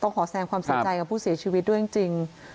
ขอแสงความเสียใจกับผู้เสียชีวิตด้วยจริง